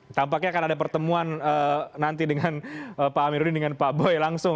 saya harapnya kita akan ada pertemuan nanti dengan pak amirudin dengan pak boyd langsung